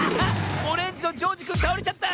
オレンジのジョージくんたおれちゃった！